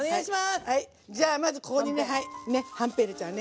じゃあまずここにねはんぺん入れちゃうね。